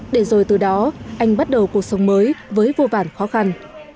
để rồi từ đó anh bắt đầu cuộc sống mới với vô vàn khó khăn